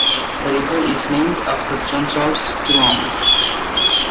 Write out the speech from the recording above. The river is named after John Charles Fremont.